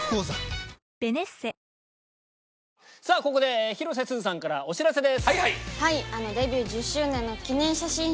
ここで広瀬すずさんからお知らせです。